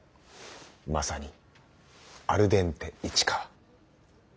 まさにアルデンテ市川。